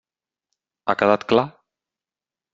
Ha quedat clar?